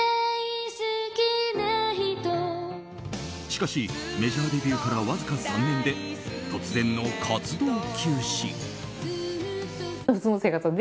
しかし、メジャーデビューからわずか３年で突然の活動休止。